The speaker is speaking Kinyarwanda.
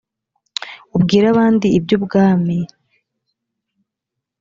ubwire abandi iby ubwami